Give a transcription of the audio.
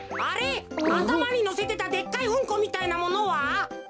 あたまにのせてたでっかいうんこみたいなものは？